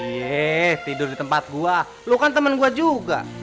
yee tidur di tempat gua lu kan temen gua juga